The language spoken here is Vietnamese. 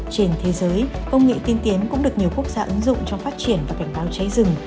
trên thế giới công nghệ tiên tiến cũng được nhiều quốc gia ứng dụng trong phát triển và cảnh báo cháy rừng